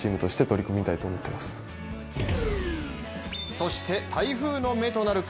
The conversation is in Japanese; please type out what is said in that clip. そして台風の目となるか。